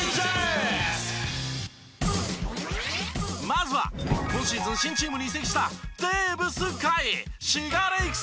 まずは今シーズン新チームに移籍した。